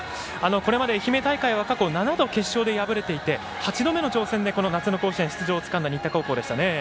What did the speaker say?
これまで愛媛大会は過去７度決勝で敗れていて８度目の挑戦でこの夏の甲子園出場をつかんだ新田高校でしたね。